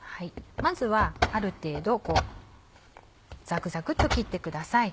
まずはある程度ザクザクっと切ってください。